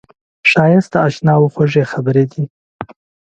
ښایست د اشناوو خوږې خبرې دي